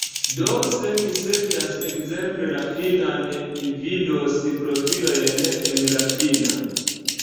Do, se mi serĉas ekzemple la finnan, mi vidos profilojn en la finna.